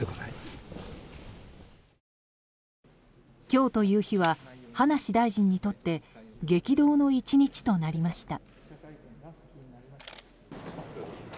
今日という日は葉梨大臣にとって激動の１日となりました。